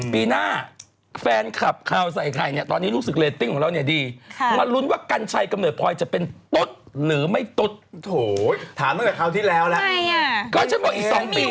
ปีน่าแฟนคลับข่าวใส่ไข่นี่ตอนนี้รูปนิสติกเกลติ้งของเราเนี่ยดี